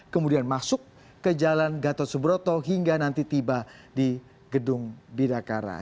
kemudian masuk ke jalan gatot subroto hingga nanti tiba di gedung bidakara